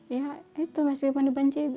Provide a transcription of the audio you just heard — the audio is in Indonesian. ya itu meskipun dibenci